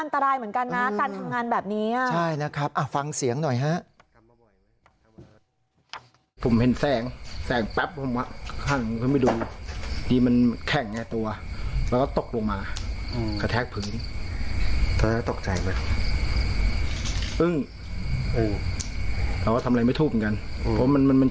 แต่ว่ามันก็อันตรายเหมือนกันนะการทำงานแบบนี้